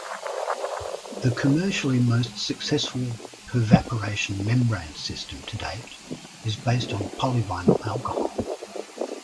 The commercially most successful pervaporation membrane system to date is based on polyvinyl alcohol.